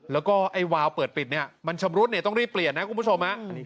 แล้วก็ไอ้วาวเปิดปิดเนี่ยมันชำรุดเนี่ยต้องรีบเปลี่ยนนะคุณผู้ชม